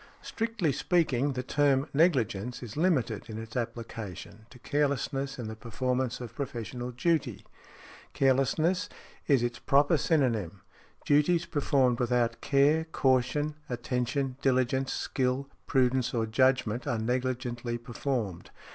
Strictly speaking, the term negligence is limited in its application to carelessness in the performance of professional duty; carelessness is its proper synonyme. Duties performed without care, caution, attention, diligence, skill, prudence, or judgment, are negligently performed.